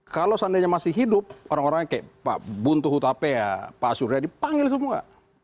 kalau seandainya masih hidup orang orangnya kayak pak buntu hutapea pak surya dipanggil semua